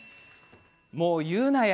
もう言うなや！